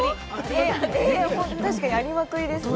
確かにありまくりですね。